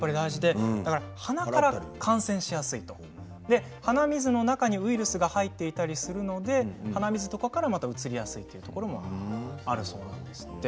鼻から感染しやすいと鼻水の中にウイルスが入っていたりするので鼻水とかから、うつりやすいというところもあります。